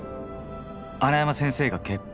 穴山先生が結婚！！